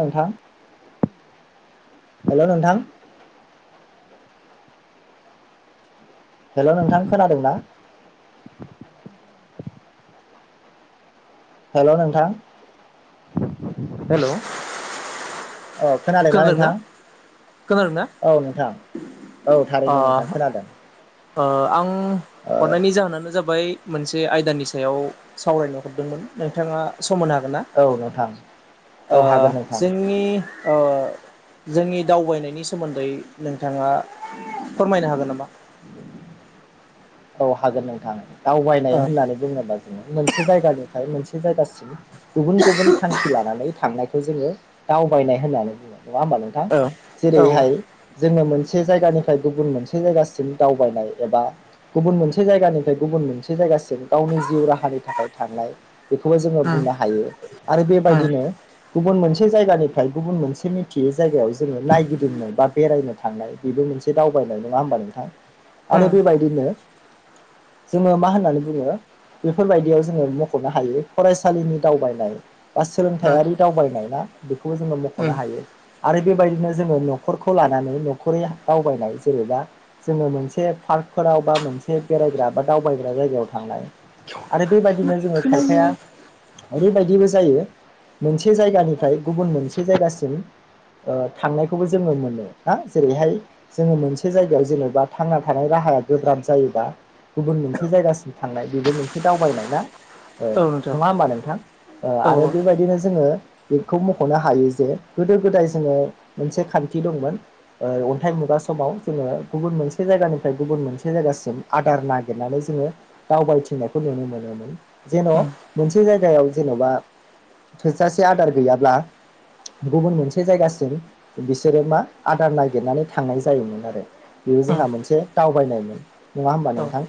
नोंथां। हेलौ नोंथां। हेलौ नोंथां खोनादों ना? हेलौ नोंथां हेलौ अ खोनादोंना नोंथां? खोनादोंना औ नोंथां औ ओ थारैनो नोंथां खोनादों ओ आं ओ हरनायनि जाहोनानो जाबा मोनसे आयदानि सायाव सावरायनो हरदोंमोन नोंथाङा सम होनो हागोन ना औ नोंथां ओ औ हागोन नोंथां जोंनि ओ जोंनि दावबायनायनि सोमोन्दै नोंथाङा फोरमायनो हागोन नामा? औ हागोन नोंथाङा दावबायनाय ओ होननानै बुङोबा जोङो मोनसे जायगानिफ्राय मोनसे जायगासिम गुबुन गुबुन थांखि लानानै थांनायखौ जोङो दावबायनाय होननानै बुङो। नङा होमबा नोंथां औ औ औ जेरैहाय जोङो मोनसे जायगानिफ्राय गुबुन मोनसे जायगासिम दावबायनाय एबा गुबुन मोनसे जायगानिफ्राय गुबुन मोनसे जायगा सिम गावनि जिउ राहानि थाखाय थांनाय बेखौबो जोङो बुंनो हायो आरो बेबायदिनो गुबुन मोनसे जायगानिफ्राय गुबुन मोनसे मिथियै जायगायाव जोङो नायगिदिंनाय बा बेरायनो थांनाय बेबो मोनसे दावबायनाय नङा होमबा नोंथां आरो बेबायदिनो जोङो मा होननानै बुङो बेफोरबायदियाव जोङो मख'नो हायो फरायसालिनि दावबायनाय बा सोलोंथायाइारि दावबायनाय ना बेखौबो जोङो उम मख'नो उम हायो आरो बेबायदिनो जोङो न'खरखौ लानानै न'खरै दावबायनाय जेनेबा जोङो मोनसे पार्कफोराव बा मोनसे बेरायग्रा बा दावबायग्रा जायगायाव थांनाय आरो बेबायदिनो जोङो खायफाया ओरैबायदिबो जायो मोनसे जायगानिफ्राय गुबुन मोनसे जायगासिम ओ थांनायखौबो जोङो मोनो ना जेरैहाय जोङो मोनसे जायगायाव जेनेबा थांना थानाय राहा गोब्राब जायोबा गुबुन मोनसे जायगासिम थांनाय बेबो मोनसे दावबायनाय ना औ नङा होमबा नोंथां ओ औ आरो बेबायदिनो जोङो बेखौ मख'नो हायो जे गोदो गोदाय जोङो मोनसे खान्थि दंमोन ओ अन्थाइ मुगा समाव जोङो गुबुन मोनसे जायगानिफ्राय गुबुन मोनसे जायगासिम आदार नागिरनानै जोङो दावबायथिंनायखौ नुनो मोनोमोन जेन' उम मोनसे जायगायाव जेन'बा थोजासे आदार गैयाब्ला गुबुन मोनसे जायगासिम बिसोरो मा आदार नागिरनानै थांनाय जायोमोन आरो बेबो उम जोंहा मोनसे दावबायनायमोन नङा होमबा औ नोंथां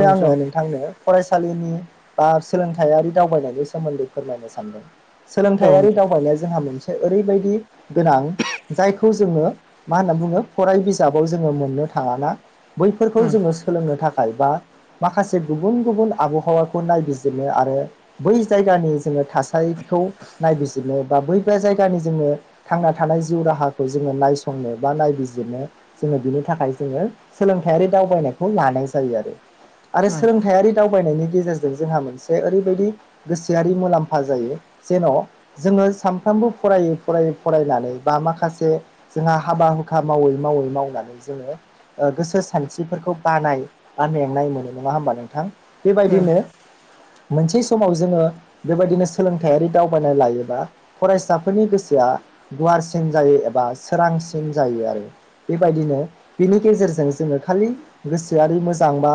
नोंथां औ नोंथां आङो नोंथांनो फरायसालिनि बा सोलोंथाइयारि दावबायनायनि सोमोन्दै फोरमायनो सानदों उम सोलोंथाइयारि दावबायनाया जोंहा मोनसे ओरैबाय दि गोनां जायखौ जोङो मा होनना बुङो फराय बिजाबाव जोङो मोननो थाङा ना बै फोरखौ उम जोङो सोलोंनो थाखाय बा माखासे गुबुन गुबुन आबहावाखौ नायबिजिरनो आरो बै जायगानि जोङो थासारिखौ नायबिजिरनो बा बैबा जायगानि जोङो थांना थानाय जिउ राहाखौ जोङो नायसंनो बा नायबिजिरनो जोङो बिनि थाखाय जोङो सोलों थाइयारि दावबायनायखौ लानाय जायो आरो आरो सोलोंथाइयारि दावबायनायनि गेजेरजों जोंहा मोनसे ओरैबायदि गोसोआरि मुलाम्फा जायो जेन' जोङो सानफ्रामबो फरायै फरायै फरायनानै बा माखासे जोंहा हाबा हुखा मावै मावै मावनानै जोङो गोसो सानस्रिफोरखौ बानाय बा मेंनाय मोनो नङा होमबा नोंथां बेबायदिनो मोनसे समाव जोङो बेबायदिनो सोलोंथाइयारि दावबायनाय लायोबा फरायसाफोरनि गोसो आ गुवारसिन जायो एबा सोरांसिन जायो आरो बेबायदिनो बेनि गेजे रजों जोङो खालि गोसोआरि मोजां बा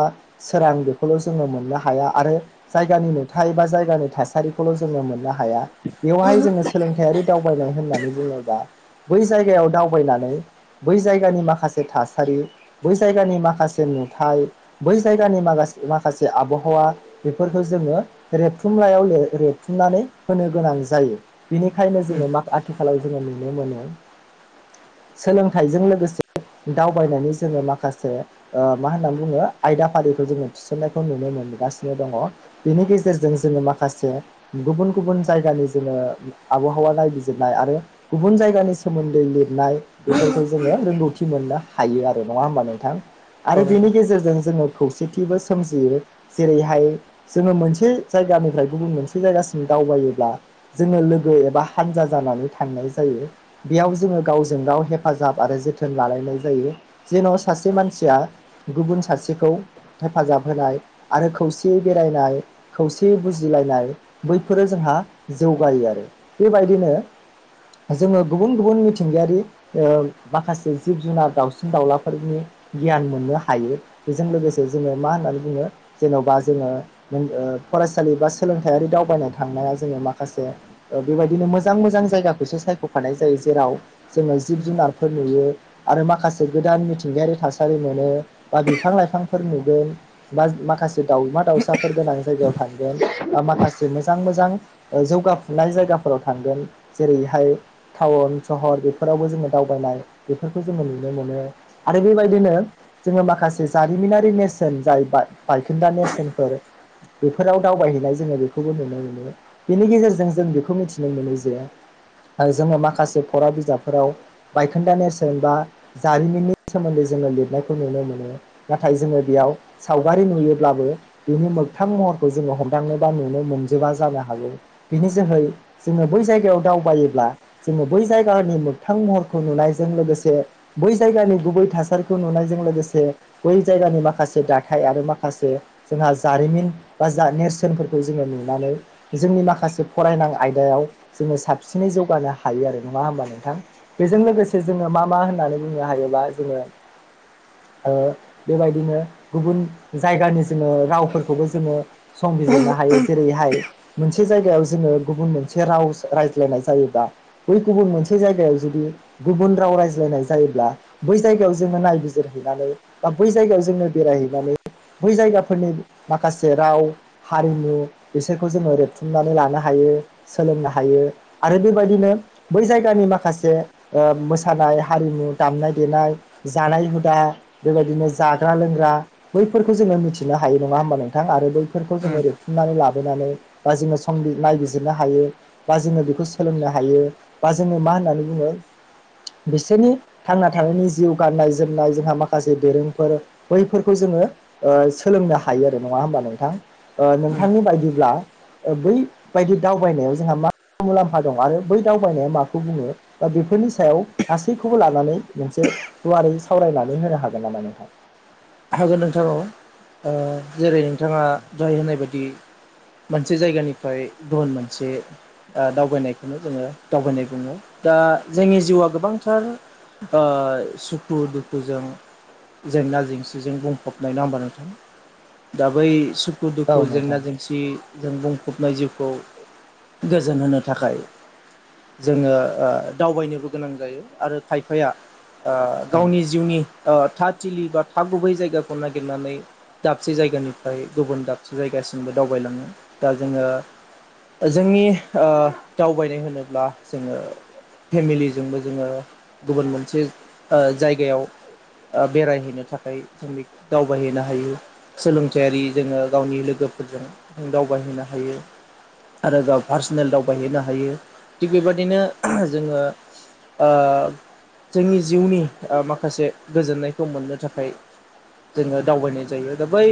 सोरां बेखौल' जोङो मोननो हाया आरो जायगानि नु थाय बा जायगानि थासारिखौल' जोङो मोननो हाया बेवहाय जोङो सोलोंथारि दावबायनाय होननानै बुङोबा बै जायगायाव दावबायनानै बै जायगानि माखासे थासारि बै जायगानि माखासे नुथाय बै जायगानि मा-माखासे आबहावा बेफोरखौ जोङो रेबथुमलायाव रेबथुमनानै होनो गोनां जायो बिनिखायनो जोङो मा आथिखालाव जोङो मोन सोलोंथाइजों लोगोसे दावबायनानै जोङो माखासे मा होनना बुङो आयदा फारिखौ जोङो थिसननायखौ नुनो मोनगासिनो दङ बेनि गेजेराव गेजेरजों जोङो माखासे गुबुन गुबुन जायगानि जोङो आबहावा नायबिजिरनाय आरो गुबुन जायगानि सोमोन्दै लिरनाय बेफोरखौ जोङो रोंगौथि मोननो हायो आरो नङा होमबानो उम आरो औ बेनि नोंथां गेजेरजों जोङो खौसेथिबो सजियो जेरैहाय जोङो मोनसे जायगानिफ्राय गुबुन मोनसे जायगासिम दावबायोब्ला जोङो लोगो एबा हानजा जानानै थांनाय जायो बेयाव जोङो गावजों गाव हेफाजाब आरो जोथोन लालायनाय जायो जेन सासे मानसिया गुबुन सासेखौ हेफाजाब होनाय आरो खौसेयै बेरायनाय खौसेै बुजिलायनाय बैफोरो जोंहा जौगायो आरो बेबायदिनो जोङो गुबुन गुबुन मिथिंगायारि माखासे जिब जुनार दाउसिन दाउलाफोर फोरनि गियान मोननो हायो बेजों लोगोसे जोङो मा होननानै बुङो जेन'बा जोङो फरायसालि बा सोलोंथायारि दावबायनो थांनाया जोङो माखासे बेबायदिनो मोजां मोजां जायगाखौसो सायख'फानाय जायो जेराव जोङो जिब जुनारफोर नुयो आरो माखासे गोदान मि थिंगायारि थासारि मोनो बा बिफां लाइफांफोर नुगोन बा माखासे दाउमा दाउसाफोर गोनां जायगायाव थांगोन बा माखासे मोजां मोजां जौगाफुनाय जायगाफोराव थांगोन जेरैहाय टाउन सहर बेफोरावबो जोङो दावबायनाय बेफोरखौ जोङो नुनो मोनो आरो बेबायदिनो जोङो माखासे जारिमिनारि नेरसोन जाय बायखोन्दा नेरसोनफोर बेफोराव दावबायहैनाय जोङो बेखौबो नुनो मोनो बेनि गेजेरजों जों बेखौ मिथिनो मोनो जे जोङो माखासे फरा बिजाबफोराव बायखोन्दा नेरसोन बा जारिमिननि सोमोन्दै जोङो लिरनायखौ नुनो मोनो नाथाय जोङो बेयाव सावगारि नुयोब्लाबो बिनि मोगथां महरखौ जोङो हमदांनो बा नुनो मोनजोबा जानो हागौ बिनि जोहै जोङो बै जायगायाव दावबायोब्ला जोङो बै जायगानि मोगथां महरखौ नुनायजों लोगोसे बै जायगानि गुबै थासारिखौ नुनायजों लोगोसे बै जायगानि माखासे दाथाय आरो माखासे जोंहा जारिमिन बा नेरसोनफोरखौ जोङो नुनानै जोंनि माखासे फरायनां आयदायाव जोङो साबसिनै जौगानो हायो आरो नङा होनोमबा नोंथां बेजों लोगोसे जोङो मा मा होननानै बुंनो हायोबा जोङो ओ बेबायदिनो गुबुन जायगानि जोङो रावफोरखौबो जोङो समबििरनो हायो जेरैहाय मोनसे जायगायाव जोङो गुबुन मोनसे राव रायज्लायनाय जायोब्लाा बै गुबुन मोनसे जायगायाव जुदि गुबुन राव रायज्लायनाय जायोब्ला बै जायगायाव जोङो नायबिजिरहैनानै बा बै जायगायाव जोङो बेरायहैनानै बै जायगाफोरनि माखासे राव हारिमु बिसोरखौ जोङो रेबथुमनानै लानो हायो सोलोंनो हायो आरो बेबायदिनो बै जायगानि माखासे मोसानाय हारिमु दामनाय देनाय जानाय हुदा बेबायदिनो जाग्रा लोंग्रा बैफोरखौ जोङो मिथिनो हायो नङा होमबा नोंथां आरो बैफोरखौ जोङो उम रेबथुमनानै लाब नानै बा जोङो संबि नायबिजिरनो हायो बा जोङो बेखौ सोलोंनो हायो बा जोङो मा होननानै बुङो बिसोरनि थांना थानायनि जिउ गाननाय जोमनाय जोंहा माखासे दोरोंफोर बैफोरखौ जोङो ओ सोलोंनो हा हायो आरो नङा होमबा नोंथां उम नोंथांनि बायदिब्ला ओ बैबायदि दावबायनायाव जोंहा मा मुलाम्फा दं आरो बै दावबायनाया माखौ बुङो बा बेफोरनि सायाव गासैखौबो लानानै मोनसे गुवारै सावरायनानै होनो हागोन नामा नोंथां? हागोन नोंथां औ ओ जेरै- नोंथाङा दहाय होननाय बायदि मोनसे जायगानिफ्राय गुबुन मोनसे ओ दावबायनायखौनो जोङो दावबायनाय बुङो दा जोंनि जिउआ गोबांथार ओ सुखु दुखुजों जेंना जेंसि जों बुंफबनाय नङा नोंथां दा बै सु खु औ दुखु नोंथां जेंना जेंसिजों बुंफबनाय जिउ खौ गोजोन होनो थाखाय। जोङो ओ दावबायनोबो गोनां जायो आरो खायफाया ओ औ गावनि जिउनि ओ थथिलि बा था गुबै जायगाखौ नागिरनानै दाबसे जायगानिफ्राय गुबुन दाबसे जायगासिमबो दावबायलाङो दा जोङो जोंनि ओ दावबायनाय होनोब्ला जोङो फेमिलिजोंबो जोङो गुबुन मोनसे ओ जायगायाव ओ बेरायहैनो था खाय जों दावबायहैनो हायो सोलोंथायारि जोङो गावनि लोगोफोरजों जों दावबाय हैनो हायो आरो गाव पार्सनेल दावबायहैनो हायो थिग बेबायदिनो जोङो ओ जोंनि जिउनि ओ माखासे गोजोननायखौ मोननो थाखाय जोङो दावबायनाय जायो दा बै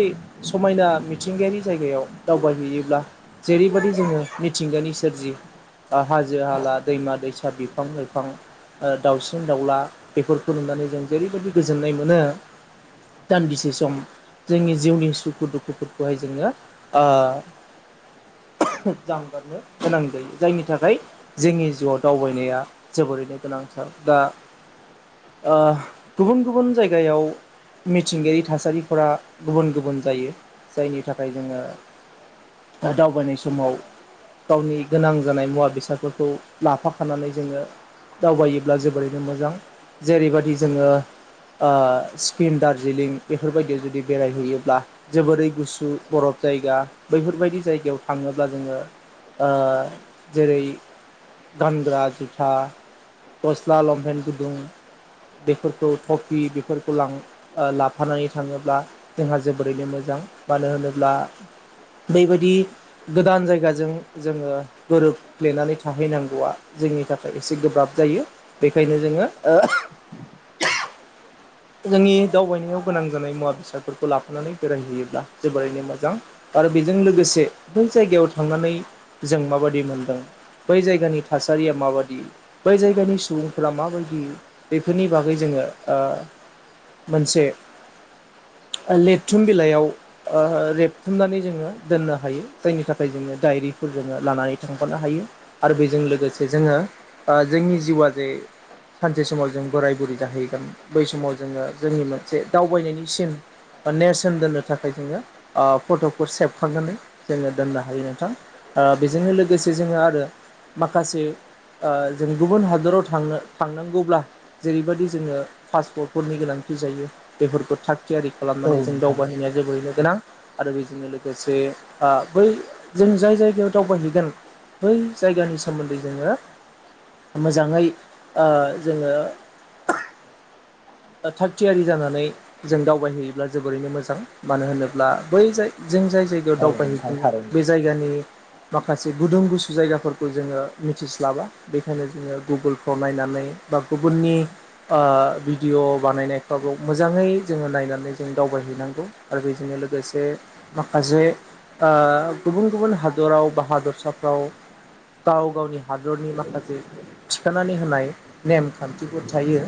समायना मिथिंगायारि जायगायाव दावबायहैयोब्ला जेरैबायदि जोङो मिथिंगानि सोरजि ओ हाजो हाला दैमा दैसा बिफां लाइफां ओ दाउसिन दाउला बेफोरखौ नुनानै जों जेरैबायदि गोजोननाय मोनो दान्दिसे सम जोंनि जिउनि सुखु दुखुफोरखौहाय जोङो ओ [unintelligible] जांगारनो गोनां जायो जायनि थाखाय जोंनि जिउआव दावबायनाया जोबोरैनो गोनां थार दा ओ गुबुन गुबुन जायगायाव मिथिंगायारि थासारिफोरा गुबुन गुबुन जायो जायनि थाखाय जोङो दा दावबायनाय समाव गावनि गोनां जानाय मुवा बेसादफोरखौ लाफाखानानै जोङो दावबायोब्ला जोबोरैनो मोजां जेरैबादि जोङो ओ सि किम दार्जिलिं बेफोरबायदियाव जुदि बेरायहैयोब्ला जोबोरै गुसु बरफ जायगा बैफोर बायदि जायगायाव थाङोब्ला जोङो ओ जेरै- गानग्रा जुथा गस्ला लंफेन गुदुं बेफोरखौ टफि बेफोरखौ लां ओ लाफानानै थाङोब्ला जोंहा जोबोरैनो मोजां मानो होनोब्ला बैबायदि गोदान जायगाजों जोङो गोरोबफ्लेनानै थाहैनांगौआ जोंनि थाखाय एसे गोब्राब जायो बेखायनो जोङो [unintelligible] जोंनि दावबायनायाव गोनां जानाय मुवा बेसादफोरखौ लाफानानै बेरायहैयोब्ला जोबोरैनो मोजां आरो बेजों लोगोसे बै जायगायाव थांनानै जों माबायदि मोनदों बै जायगानि थासारिया माबाददि बै जायगानि सुबुंफोरा माबायदि बेफोरनि बागै जों जो मोनसे [inaudible] लबथुम बिलाइयाव रेबथुमनानै जोङो दोननो हायो जायनि थाखाय जोङो दायरि फोर जोङो लानानै थांफानो हायो आरो बेजों लोगोसे जोङो जोंनि जिउआ जे सानसे समाव जों बोराय बुरै जाहैगोन बै समाव जोङो जोंनि मोनसे दावबायनायनि सिन नेरसोन दोननो थाखाय जोङो फट'खौ सेबखांनानै जोङो दोननो हायो नोंथां। बेजोंनो लोगोसे जोङो आरो माखासे ओ जों गुबुन हादराव थांनो थांनांगौब्ला जेरैबायदि जोङो पासपर्ट फोरनि गोनांथि जायो बेफोरखौ थाग थियारि औ खालामनानै जों नोंथां दावबायाहैनाया जोबोरैनो गोनां। आरो बेजोंनो लोगोसे बै जों जाय जायगायाव दावबायहैगोन बै जायगानि सोमोन्दै जोङो मोजाङै जोंङो [inaudible] थागथियारि जानानै जों दावबायहैयोब्ला जोबोरैनो मोजां मानो होनोब्ला बै जाय जों जाय जायगायाव औ नोंथां दावबायहैगोन बे थारैनो जायगानि माखासे गुदुं गुसु जायगाफोरखौ जोङो मिथिस्लाबा बेखायनो जोङो गुगोलफ्राव नायनानै बा गुबुननि ओ बि भिडिअ' बानायनायफ्राबो मोजांङै जोंङो नायनानै जों दावबायहैनांगौ आरो बेजोंनो लोगोसे माखासे ओ गुबुन गुबुन हादराव बा हादरसाफ्राव गाव गावनि हादरनि माखासे थिखानानै होनाय नेमखान्थिफोर थायो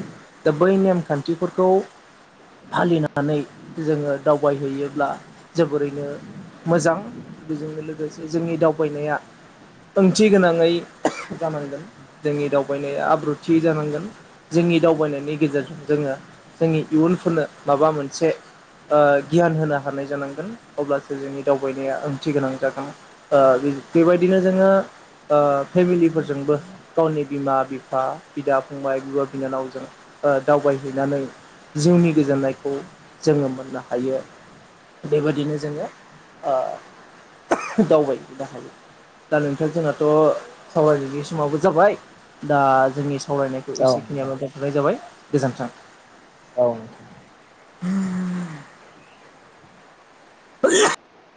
दा बै नेमखान्थिफोरखौ। फालिनानै जोंङो दावबायहैयोब्ला जोबोरैनो मोजां बेजोंनो लोगोसे जोंनि दावबायनाया ओंथि गोनाङै जानांगोन जोंनि दावबायनाया आब्रुथि जानांगोन जोंनि जोंनि दावबायनायनि गेजेरजों जोंङो जोंनि इयुनफोरनो माबा मोनसे ओ गियान होनो हानाय जानांगोन अब्लासो जोंनि दावबायनाया ओंथि गोनां जागोन । बेबायदिनो जोंङो ओ फेमिलिफोरजोंबो गावनि बिमा-बिफा बिदा-फंबाय बिब'-बिनानावजों ओ दावबायहैनानै जिउनि गोजोननायखौ जोंङो मोननो हायो। बेबायदिनो जोंङो दावबायनो हायो। दा नोंथां जोंनाथ' सावरायनाय समावबो जाबाय दा जोंनि सावरायनायखौ औ नोंथां एसेखिनियाबो दोनथ'नाय जाबाय गोजोन्थों। औ। [inaudible] [unintelligible]